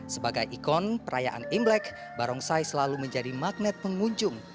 sebagai ikon perayaan imlek barongsai selalu menjadi magnet pengunjung